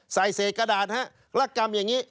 เศษกระดาษฮะรักกรรมอย่างนี้